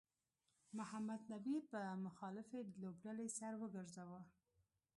محمد نبي په مخالفې لوبډلې سر وګرځاوه